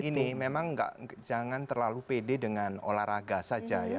ini memang jangan terlalu pede dengan olahraga saja ya